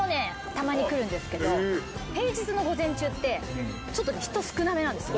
たまに来るんですけど平日の午前中ってちょっと人少なめなんですよ。